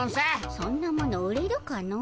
そんなもの売れるかのう。